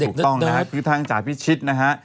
ถูกต้องนะฮะคือทางจ่าพิชิตนะฮะ